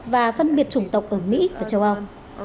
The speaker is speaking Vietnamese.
và phân biệt chủng tộc ở mỹ và châu âu